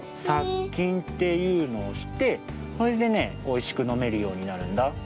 さっきんっていうのをしてそれでねおいしくのめるようになるんだ。